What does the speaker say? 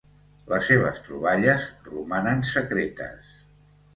Les seves troballes romanen secretes.